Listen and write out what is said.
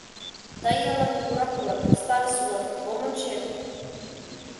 Тый яллан кугурак улат, старыс улат, мом ончет?